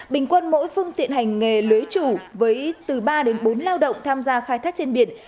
bình quân mỗi phương tiện hành nghề lưới chủ với từ ba đến bốn lao động tham gia khai thác trên biển